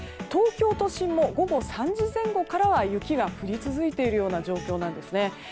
東京都心も午後３時前後からは雪が降り続いている状況なんですね。